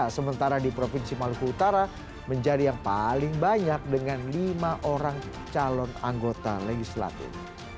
sementara di provinsi maluku utara menjadi yang paling banyak dengan lima orang calon anggota legislatif